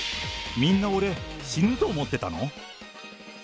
みんな、俺、死ぬと思ってたの？